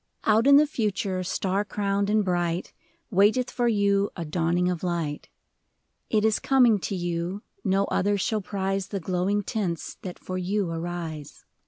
Out in the Future, star crowned and bright, Waiteth for you a dawning of light. It is coming to you, no other shall prize The glowing tints that for you arise.